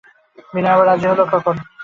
বিনয় আবার রাজি হল কখন?